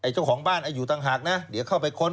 เจ้าของบ้านอยู่ต่างหากนะเดี๋ยวเข้าไปค้น